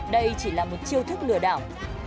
đây chỉ là một chiêu thức lừa đảo